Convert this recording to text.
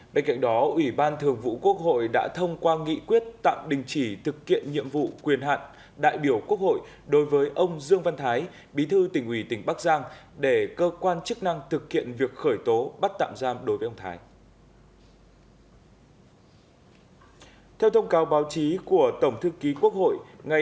bên cạnh đó ủy ban thường vụ quốc hội đã thông qua nghị quyết tạm đình chỉ thực hiện nhiệm vụ quyền hạn đại biểu quốc hội đối với ông dương văn thái bí thư tỉnh ủy tỉnh bắc giang để cơ quan chức năng thực hiện việc khởi tố bắt tạm giam đối với ông thái